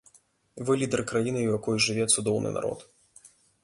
Вы лідар краіны, у якой жыве цудоўны народ.